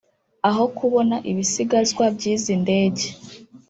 Aho kubona ibisigazwa by’izi ndege